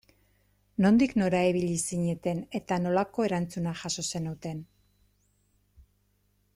Nondik nora ibili zineten eta nolako erantzuna jaso zenuten?